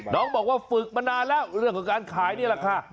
น้องบอกว่าฝึกมานานแล้วเรื่องของการขายนี่แหละค่ะ